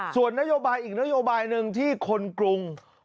ส่วนนโยบายอีกนโยบายหนึ่งที่คนกรุง